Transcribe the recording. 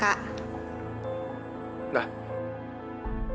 udah seperti adik dengan kakak